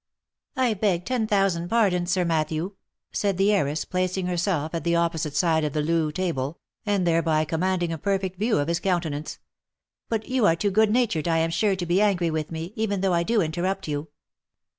" I beg ten thousand pardons, Sir Matthew," said the heiress, placing herself at the opposite side of the loo table, and thereby commanding a perfect view of his countenance ;" but you are too goodnatured, I am sure, to be angry with me, even though I do interrupt you.